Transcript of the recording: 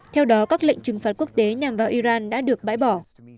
theo đó các lệnh trừng phạt quốc tế nhằm vào iran đã được bãi bỏ